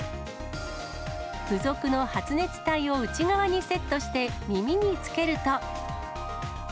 付属の発熱体を内側にセットして耳につけると。